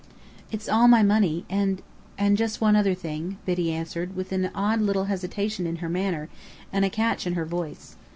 "It's all my money, and and just one other thing!" Biddy answered, with an odd little hesitation in her manner and a catch in her voice.